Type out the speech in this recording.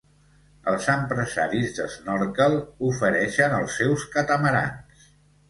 Els empresaris d'esnòrquel ofereixen els seus catamarans.